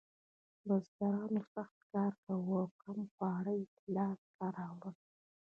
بزګرانو سخت کار کاوه او کم خواړه یې لاسته راوړل.